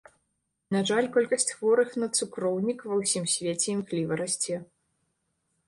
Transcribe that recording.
На жаль, колькасць хворых на цукроўнік ва ўсім свеце імкліва расце.